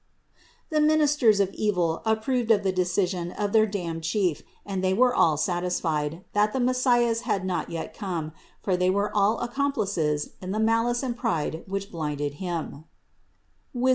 The ministers of evil approved of the decision of their damned chief and they were all satisfied, that the Messias had not yet come, for they were all accomplices in the malice and pride which blinded him (Wis.